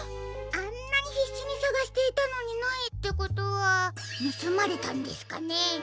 あんなにひっしにさがしていたのにないってことはぬすまれたんですかね？